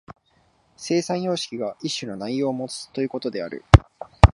生産様式が一種の内容をもつということである。